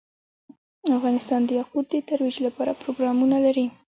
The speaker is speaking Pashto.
افغانستان د یاقوت د ترویج لپاره پروګرامونه لري.